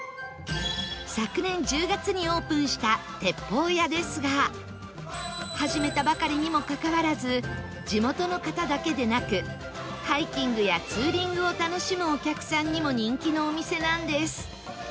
昨年１０月にオープンしたてっぽう屋ですが始めたばかりにもかかわらず地元の方だけでなくハイキングやツーリングを楽しむお客さんにも人気のお店なんです